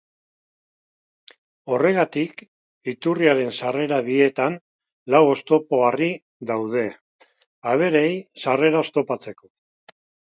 Horregatik, iturriaren sarrera bietan lau oztopo-harri daude, abereei sarrera oztopatzeko.